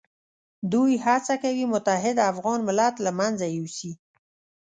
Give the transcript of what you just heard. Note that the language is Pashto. دوی هڅه کوي متحد افغان ملت له منځه یوسي.